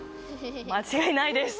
間違いないです。